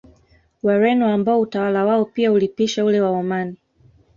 Wareno ambao utawala wao pia ulipisha ule wa Omani